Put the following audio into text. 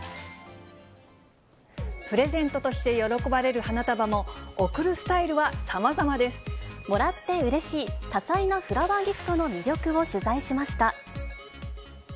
プレゼントとして喜ばれる花束も、もらってうれしい、多彩なフラワーギフトの魅力を取材しました。